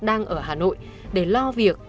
đang ở hà nội để lo việc